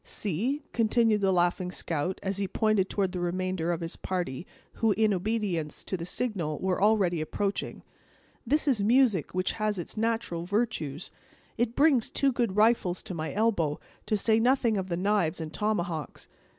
"See!" continued the laughing scout, as he pointed toward the remainder of the party, who, in obedience to the signal, were already approaching; "this is music which has its natural virtues; it brings two good rifles to my elbow, to say nothing of the knives and tomahawks.